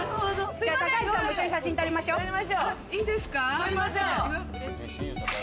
高橋さんも一緒に写真撮りましょう。